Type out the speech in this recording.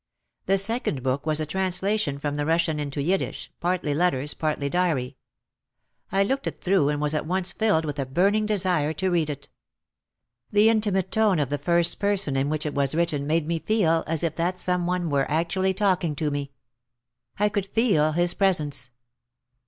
The second book was a translation from the Russian into Yiddish, partly letters, partly diary. I looked it through and was at once filled with a burning desire to read it. The intimate tone of the first person in which it was written made me feel as if that some one were actually talking to me. I could feel his presence.